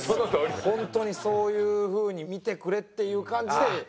本当にそういう風に見てくれっていう感じで。